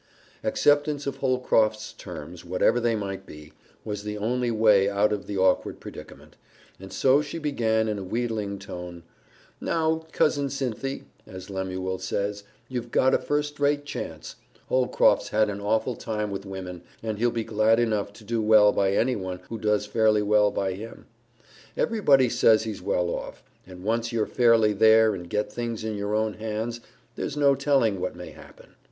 Acceptance of Holcroft's terms, whatever they might be, was the only way out of the awkward predicament, and so she began in a wheedling tone, "Now, Cousin Cynthy, as Lemuel says, you've got a first rate chance. Holcroft's had an awful time with women, and he'll be glad enough to do well by anyone who does fairly well by him. Everybody says he's well off, and once you're fairly there and get things in your own hands, there's no telling what may happen.